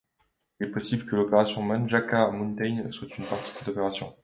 Il est possible que l'opération Manjača Mountains soit une partie de cette opération.